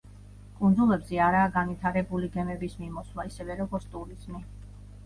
კუნძულებზე არაა განვითარებული გემების მიმოსვლა, ისევე როგორც ტურიზმი.